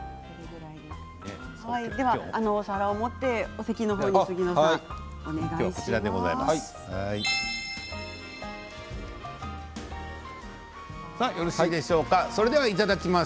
お皿を持ってお席のほうへお願いします。